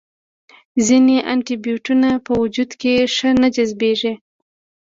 ځینې انټي بیوټیکونه په وجود کې ښه نه جذبیږي.